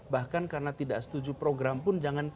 bahkan karena tidak setuju program pun